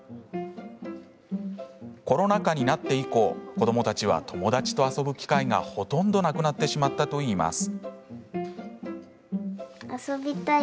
コロナ禍になって以降子どもたちは友達と遊ぶ機会がほとんど、なくなってしまったといいます。